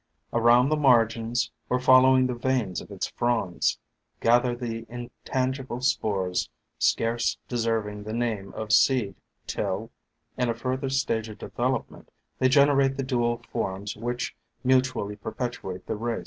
Around the margins, or following the veins of its fronds, gather the intangible spores scarce deserving the name of seed till, in a further stage of development, they generate the dual forms which mutually perpetuate the race.